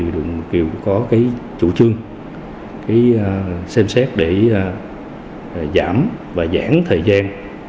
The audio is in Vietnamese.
đều có chủ trương xem xét để giảm và giãn thời gian